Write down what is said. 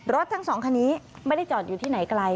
ทั้งสองคันนี้ไม่ได้จอดอยู่ที่ไหนไกล